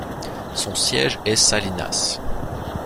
Son siège est Salinas.